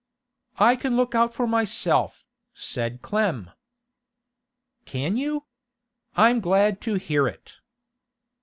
'I can look out for myself,' said Clem. 'Can you? I'm glad to hear it.